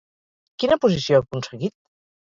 Quina posició ha aconseguit?